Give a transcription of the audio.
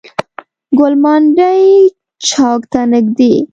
ګوالمنډۍ چوک ته نزدې.